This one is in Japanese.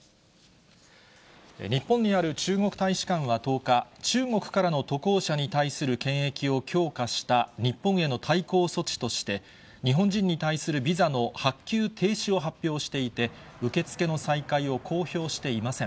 日本にある中国大使館は１０日、中国からの渡航者に対する検疫を強化した日本への対抗措置として、日本人に対するビザの発給停止を発表していて、受け付けの再開を公表していません。